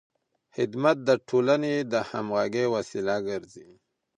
خدمت د ټولنې د همغږۍ وسیله ګرځي.